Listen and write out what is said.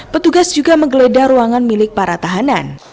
petugas juga menggeledah ruangan milik para tahanan